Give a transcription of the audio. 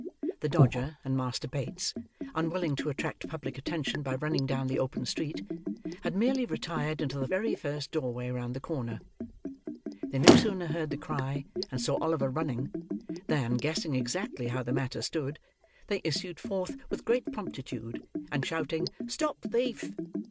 The Dodger and Master Bates, unwilling to attract public attention by running down the open street, had merely retired into the very first doorway round the corner. They no sooner heard the cry, and saw Oliver running, than, guessing exactly how the matter stood, they issued forth with great promptitude; and, shouting "Stop thief!"